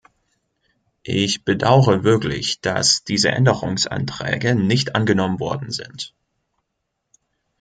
Ich bedauere wirklich, dass diese Änderungsanträge nicht angenommen worden sind.